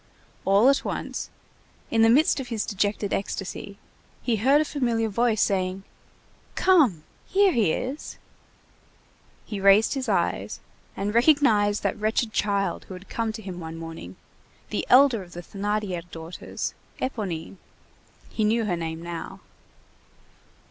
All at once, in the midst of his dejected ecstasy, he heard a familiar voice saying:— "Come! Here he is!" He raised his eyes, and recognized that wretched child who had come to him one morning, the elder of the Thénardier daughters, Éponine; he knew her name now.